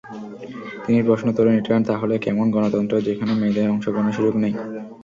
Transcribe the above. তিনি প্রশ্ন তোলেন, এটা তাহলে কেমন গণতন্ত্র, যেখানে মেয়েদের অংশগ্রহণের সুযোগ নেই।